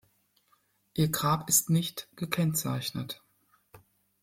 Ihr Grab ist nicht gekennzeichnet.